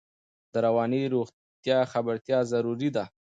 د رواني روغتیا خبرتیا ضروري ده.